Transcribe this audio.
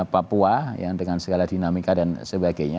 papua yang dengan segala dinamika dan sebagainya